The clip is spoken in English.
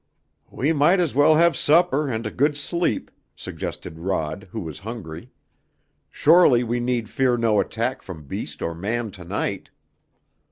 "We might as well have supper and a good sleep," suggested Rod, who was hungry. "Surely we need fear no attack from beast or man to night!"